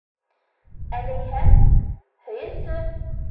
Әләйһәң... һөйөнсө!